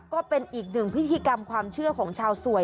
ก็เป็นอีกหนึ่งพิธีกรรมความเชื่อของชาวสวย